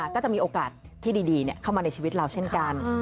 ก็จะมีโอกาสที่ดีเข้ามาในชีวิตเราเช่นกัน